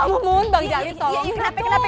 mbak mumun bang jali tolongin aku